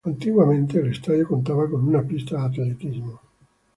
Antiguamente, el estadio contaba con una pista de atletismo.